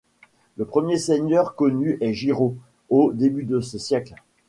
Le premier seigneur connu est Géraud, au début de ce siècle.